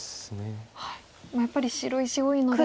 やっぱり白石多いので。